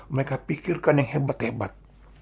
mereka pikirkan yang hebat hebat